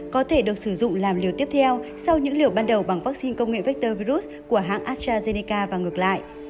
có thể được sử dụng làm liều tiếp theo sau những liều ban đầu bằng vaccine công nghệ vector virus của hãng astrazeneca và ngược lại